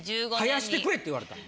生やしてくれって言われたん？